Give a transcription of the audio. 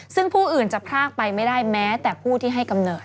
ซึ่งผู้อื่นจะพรากไปไม่ได้แม้แต่ผู้ที่ให้กำเนิด